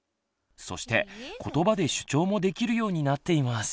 そしてことばで主張もできるようになっています。